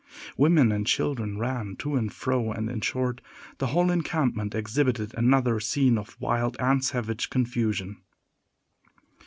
Women and children ran to and fro; and, in short, the whole encampment exhibited another scene of wild and savage confusion.